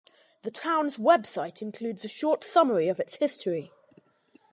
The town's website includes a short summary of its history.